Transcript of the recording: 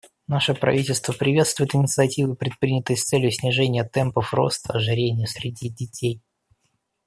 Наше правительство приветствует инициативы, предпринятые с целью снижения темпов роста ожирения среди детей.